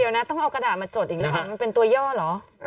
เดี๋ยวนะต้องเอากระดาษมาจดอีกหรือเปล่ามันเป็นตัวย่อเหรอ